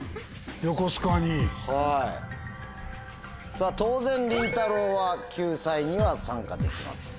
さぁ当然りんたろうは救済には参加できません。